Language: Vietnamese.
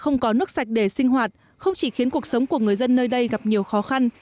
không có nước sạch để sinh hoạt không chỉ khiến cuộc sống của người dân nơi đây gặp nhiều khó khăn